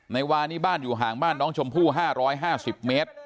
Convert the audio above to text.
วานี่บ้านอยู่ห่างบ้านน้องชมพู่๕๕๐เมตร